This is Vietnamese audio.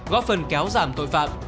góp phần kéo giảm tội phạm